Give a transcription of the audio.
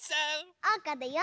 おうかだよ！